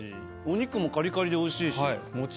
お肉もカリカリでおいしいし。